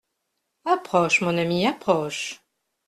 Approche, mon ami, approche…